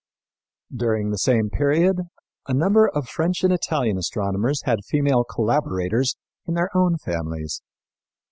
During the same period a number of French and Italian astronomers had female collaborators in their own families.